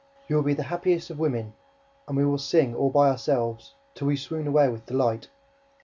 You will be the happiest of women. And we will sing, all by ourselves, till we swoon away with delight.